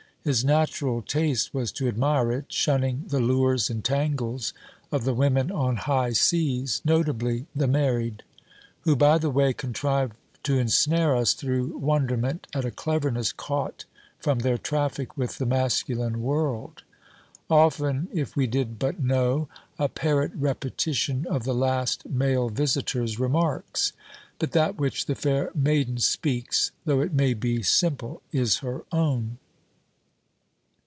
His natural taste was to admire it, shunning the lures and tangles of the women on high seas, notably the married: who, by the way, contrive to ensnare us through wonderment at a cleverness caught from their traffic with the masculine world: often if we did but know! a parrot repetition of the last male visitor's remarks. But that which the fair maiden speaks, though it may be simple, is her own.